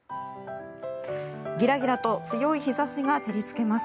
ギラギラと強い日差しが照りつけます。